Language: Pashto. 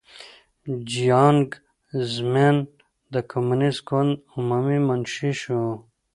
جیانګ زیمن د کمونېست ګوند عمومي منشي شو.